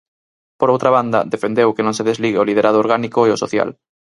Por outra banda, defendeu que non se desligue o liderado orgánico e o social.